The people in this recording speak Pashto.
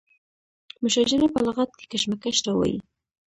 مشاجره په لغت کې کشمکش ته وایي.